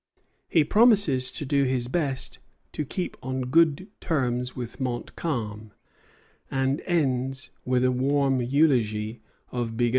He promises to do his best to keep on good terms with Montcalm, and ends with a warm eulogy of Bigot.